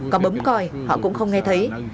còn bấm coi họ cũng không nghe thấy